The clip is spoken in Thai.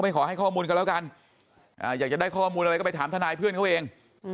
ขอให้ข้อมูลกันแล้วกันอยากจะได้ข้อมูลอะไรก็ไปถามทนายเพื่อนเขาเอง